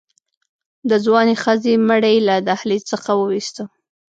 د ځوانې ښځې مړی يې له دهلېز څخه ووېسته.